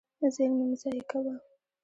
زیرمې مه ضایع کوه.